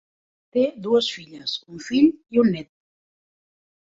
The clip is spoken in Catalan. Té dues filles, un fill i un nét.